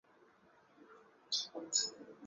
兴亚会成员。